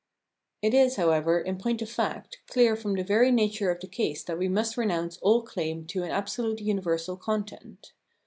It is, however, in point of fact, clear from the very nature of the case that we must renounce all claim to an absolute universal content.